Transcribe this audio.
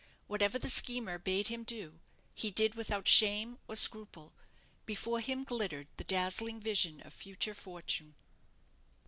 Whatever the schemer bade him do, he did without shame or scruple. Before him glittered the dazzling vision of future fortune.